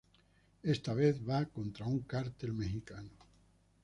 Esta vez va contra un cártel mexicano.